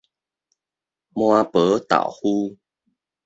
麻婆豆腐